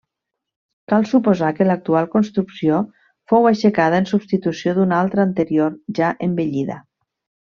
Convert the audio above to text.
Cal suposar que l'actual construcció fou aixecada en substitució d'una altra anterior ja envellida.